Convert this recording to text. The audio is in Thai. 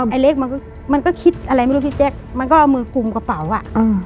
ไอเล็กมันก็คิดอะไรมันคิดมือกลุ่มกระเป๋าอ่ะ